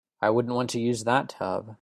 I wouldn't want to use that tub.